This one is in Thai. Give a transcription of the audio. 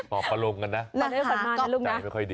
ปลอบพระลงกันนะประเทศกรรมมากนะลูกนะใจไม่ค่อยดี